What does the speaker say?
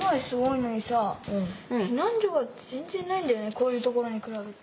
こういうところに比べて。